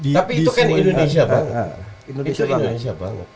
tapi itu kan indonesia banget